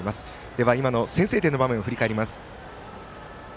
では今の先制点の場面を振り返ります。